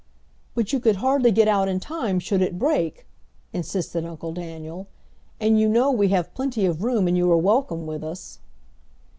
"But you could hardly get out in time should it break," insisted Uncle Daniel, "and you know we have plenty of room and you are welcome with us."